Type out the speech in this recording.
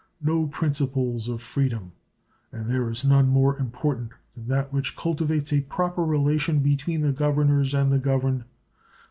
No principles of freedom, and there is none more important than that which cultivates a proper relation between the governors and the governed.